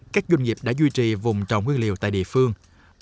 các doanh nghiệp đã duy trì vùng trồng nguyên liệu tại địa phương